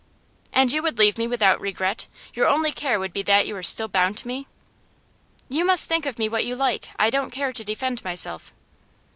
'And you would leave me without regret? Your only care would be that you were still bound to me?' 'You must think of me what you like. I don't care to defend myself.